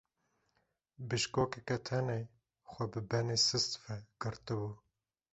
Bişkokeke tenê xwe bi benê sist ve girtibû.